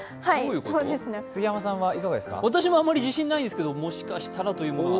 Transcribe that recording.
私もあまり自信ないですけど、もしかしたらというのは。